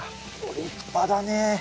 立派だね。